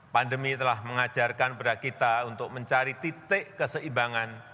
pandemi telah mengajarkan kepada kita untuk mencari titik keseimbangan